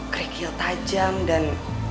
kerikil tajam dan